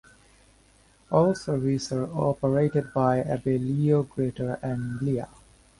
All services are operated by Abellio Greater Anglia.